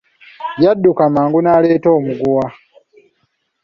Yadduka mangu naleeta omuguwa.